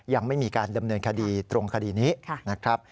ยังไม่มีการดำเนินคดีตรงคดีนี้นะครับ